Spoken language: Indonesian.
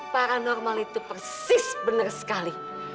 paranormal itu persis benar sekali